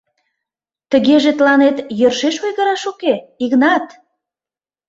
— Тыгеже тыланет йӧршеш ойгырышаш уке, Игнат!